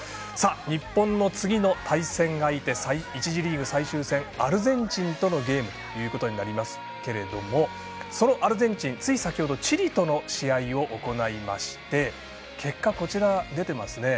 日本の次の対戦相手１次リーグ最終戦アルゼンチンとのゲームということになりますがそのアルゼンチンつい先ほど、チリとの試合を行いまして、結果こちらです。